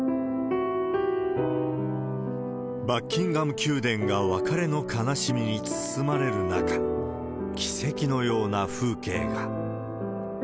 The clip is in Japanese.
バッキンガム宮殿が別れの悲しみに包まれる中、奇跡のような風景が。